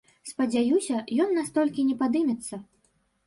Спадзяюся, ён настолькі не падымецца.